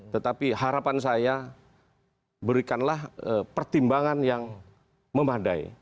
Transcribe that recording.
tetapi harapan saya berikanlah pertimbangan yang memadai